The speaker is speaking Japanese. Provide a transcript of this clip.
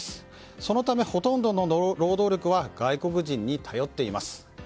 そのためほとんどの労働力は外国人に頼っています。